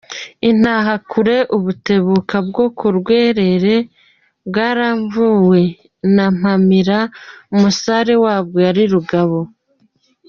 Intahakure : ”Ubutebuka “,bwo ku Rwerere ,bwaramvuwe na Mpamira ,umusare wabwo yari Rubago.